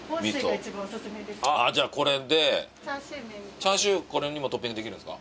チャーシューこれにもトッピングできるんですか？